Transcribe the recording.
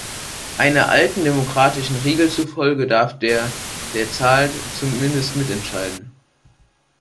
Einer alten demokratischen Regel zufolge darf der, der zahlt, zumindest mitentscheiden.